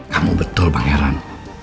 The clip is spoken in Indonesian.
kamu betul bang heran